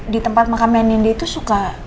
di tempat makam yang nindi itu suka